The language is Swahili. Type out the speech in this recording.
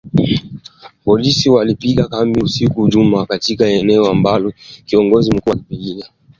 Polisi walipiga kambi usiku wa Ijumaa katika eneo ambako kiongozi mkuu wa upinzani wa chama cha Umoja wa Wananchi wa Mabadiliko, Nelson Chamisa.